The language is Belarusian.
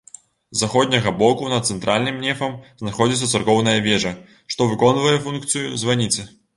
З заходняга боку над цэнтральным нефам знаходзіцца царкоўная вежа, што выконвае функцыю званіцы.